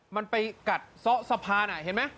มันไปกัดสะสะพานอะเห็นไหม